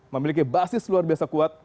memiliki basis luar biasa kuat